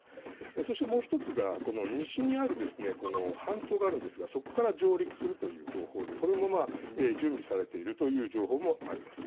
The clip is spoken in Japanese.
そして、もう１つが西にある半島があるんですがそこから上陸するという方法でこれも準備されているという情報もあります。